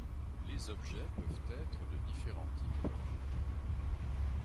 Les objets peuvent être de différents types.